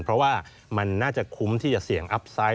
เพราะว่ามันน่าจะคุ้มที่จะเสี่ยงอัพไซต์